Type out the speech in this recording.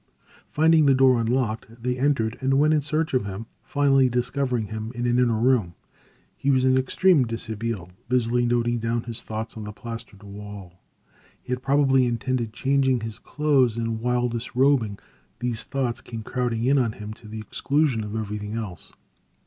Finding the door unlocked, they entered and went in search of him, finally discovering him in an inner room. He was in extreme dishabille, busily noting down his thoughts on the plastered wall. He had probably intended changing his clothes, and, while disrobing, these thoughts came crowding in on him to the exclusion of everything else.